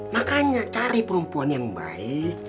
makanya cari perempuan yang baik